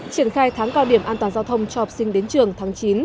triển khai tháng cao điểm an toàn giao thông cho học sinh đến trường tháng chín